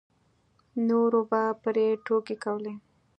نورو به پرې ټوکې کولې.